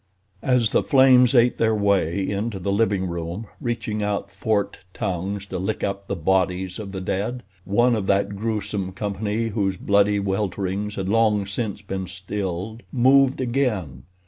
As the flames ate their way into the living room, reaching out forked tongues to lick up the bodies of the dead, one of that gruesome company whose bloody welterings had long since been stilled, moved again.